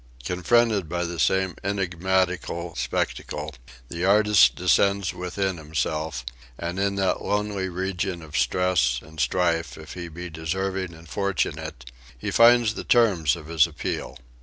Confronted by the same enigmatical spectacle the artist descends within himself, and in that lonely region of stress and strife, if he be deserving and fortunate, he finds the terms of his appeal.